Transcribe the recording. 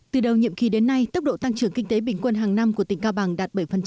từ đầu nhiệm kỳ đến nay tốc độ tăng trưởng kinh tế bình quân hàng năm của tỉnh cao bằng đạt bảy